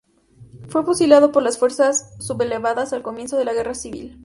Fue fusilado por las fuerzas sublevadas al comienzo de la guerra civil.